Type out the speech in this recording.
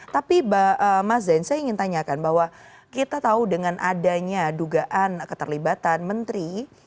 tapi mas zain saya ingin tanyakan bahwa kita tahu dengan adanya dugaan keterlibatan menteri